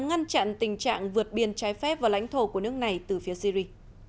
ngăn chặn tình trạng vượt biên trái phép vào lãnh thổ của nước này từ phía syri